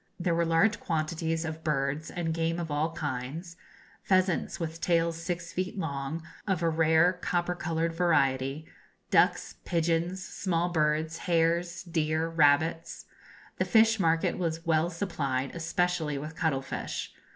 There were large quantities of birds and game of all kinds pheasants with tails six feet long, of a rare copper coloured variety, ducks, pigeons, small birds, hares, deer, rabbits. The fish market was well supplied, especially with cuttle fish.